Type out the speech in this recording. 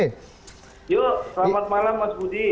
yuk selamat malam mas budi